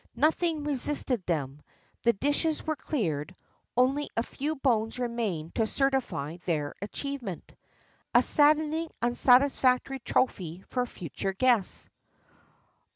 Nothing resisted them; the dishes were cleared; only a few bones remained to certify their achievement.[XXXIV 6] A saddening, unsatisfactory trophy for future guests.